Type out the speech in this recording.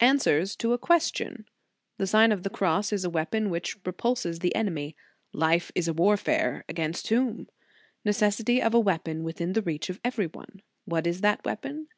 ANSWER TO A QUESTION THE SIGN OF THE CROSS is A WEAPOK WHICH REPULSES THE ENEMY LlFE IS A WARFARE AGAINST WHOM? NECESSITY OF A WEAPON WITHIN THE REACH OF EVERY ONE WHAT IS THAT WEAPON?